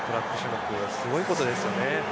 すごいことですよね。